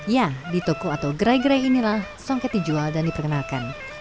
ya di toko atau gerai gerai inilah songket dijual dan diperkenalkan